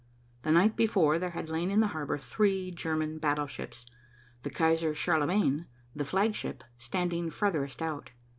The night before there had lain in the harbor three German battleships, the Kaiser Charlemagne, the flagship, standing farthest out.